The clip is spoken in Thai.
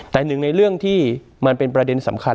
แต่หนึ่งในเรื่องที่มันเป็นประเด็นสำคัญ